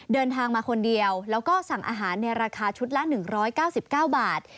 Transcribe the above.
เดินทางมาคนเดียวแล้วก็สั่งอาหารในราคาชุดละ๑๙๙บาท